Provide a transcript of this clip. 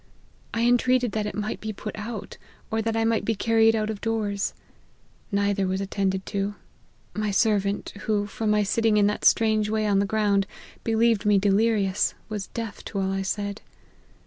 I entreated that it might be put out, or that I might be carried out of doors. Neither was attended to : my servant, who, from my sitting in that strange way on the ground, believed me delirious, was deaf to all I said.